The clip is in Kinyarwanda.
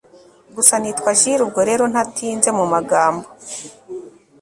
Gusa nitwa Jule ubwo rero ntatinze mu magambo